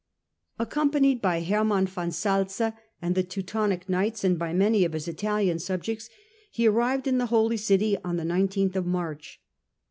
Accompanied by Hermann von Salza and the Teutonic Knights and by many of his Italian subjects, he arrived in the Holy City on the I9th of March.